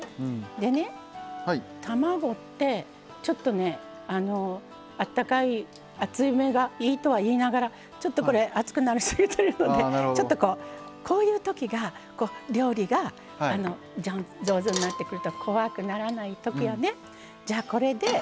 でね、卵って、ちょっとねあったかい、熱めがいいとはいいながらちょっと熱くなりすぎているのでちょっと、こういうときが料理が上手になってくると怖くならないときやね。